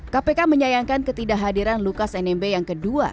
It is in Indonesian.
kpk menyayangkan ketidakhadiran lukas nmb yang kedua